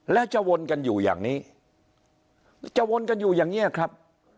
แล้วจะวนกันอยู่อย่างนี้จะวนกันอยู่อย่างนี้ครับ